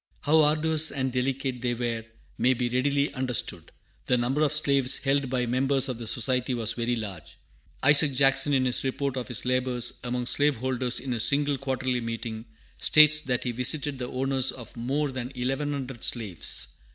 How arduous and delicate they were may be readily understood. The number of slaves held by members of the Society was very large. Isaac Jackson, in his report of his labors among slave holders in a single Quarterly Meeting, states that he visited the owners of more than eleven hundred slaves.